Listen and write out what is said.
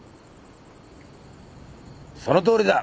・そのとおりだ。